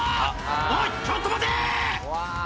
おいちょっと待て！